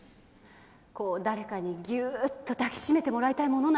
こう誰かにギュッと抱きしめてもらいたいものなのよ。